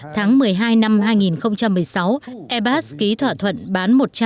tháng một mươi hai năm hai nghìn một mươi sáu ebs ký thỏa thuận bán hạt nhân iran